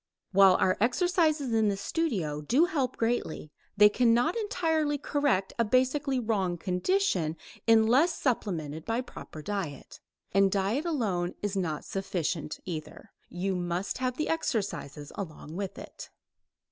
While our exercises in the studio do help greatly, they cannot entirely correct a basically wrong condition unless supplemented by proper diet. And diet alone is not sufficient, either; you must have the exercises along with it.